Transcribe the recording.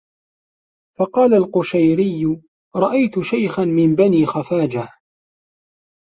فَقَالَ الْقُشَيْرِيُّ رَأَيْت شَيْخًا مِنْ بَنِي خَفَاجَةَ